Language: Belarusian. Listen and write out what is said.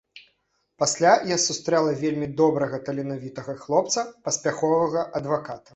Пасля я сустрэла вельмі добрага таленавітага хлопца, паспяховага адваката.